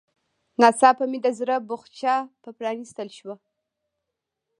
ناڅاپه مې د زړه بوخڅه په پرانيستل شوه.